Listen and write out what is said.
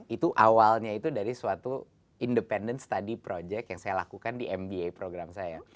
itu awalnya itu dari suatu independent study project yang saya lakukan di mba program saya